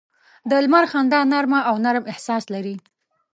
د لمر خندا نرمه او نرم احساس لري